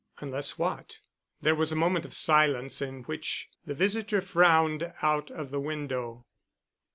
"Unless—what?" There was a moment of silence in which the visitor frowned out of the window.